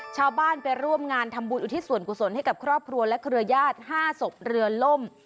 ชาวบ้านไปร่วมงานทำบุญอุทิศส่วนกุศลให้กับครอบครัวและเครือญาติ๕ศพเรือล่ม